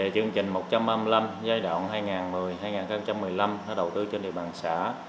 chương trình một trăm ba mươi năm giai đoạn hai nghìn một mươi hai nghìn một mươi năm đầu tư trên địa bàn xã